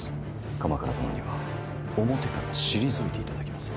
鎌倉殿には表から退いていただきます。